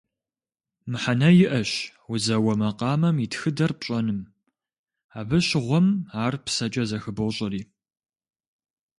Мыхьэнэ иӀэщ узэуэ макъамэм и тхыдэр пщӀэным, абы щыгъуэм ар псэкӀэ зыхыбощӀэри.